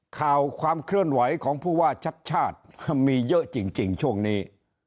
ข่าวความเคลื่อนไหวของผู้ว่าชัดชาติมีเยอะจริงช่วงนี้